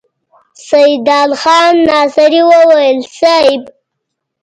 سيدال خان ناصري وويل: صېب!